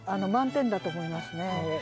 満点だと思いますね。